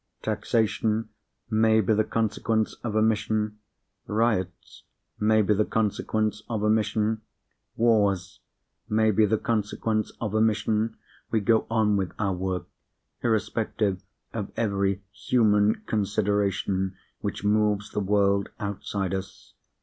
Taxation may be the consequence of a mission; riots may be the consequence of a mission; wars may be the consequence of a mission: we go on with our work, irrespective of every human consideration which moves the world outside us.